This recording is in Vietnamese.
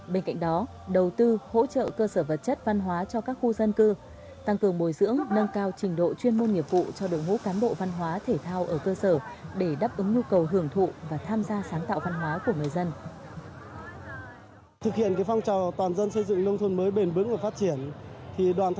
bên cạnh đó đầu tư hỗ trợ cơ sở vật chất văn hóa cho các khu dân cư tăng cường bồi dưỡng nâng cao trình độ chuyên môn nghiệp vụ cho đội ngũ cán bộ văn hóa thể thao ở cơ sở để đáp ứng nhu cầu hưởng thụ và tham gia sáng tạo văn hóa của người dân